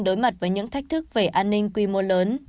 đối mặt với những thách thức về an ninh quy mô lớn